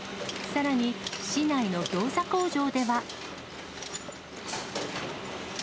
さらに市内のギョーザ工場では。